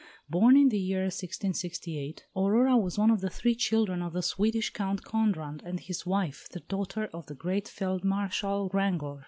Born in the year 1668, Aurora was one of three children of the Swedish Count Conrad and his wife, the daughter of the great Field Marshal Wrangel.